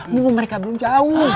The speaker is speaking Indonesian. mumpung mereka belum jauh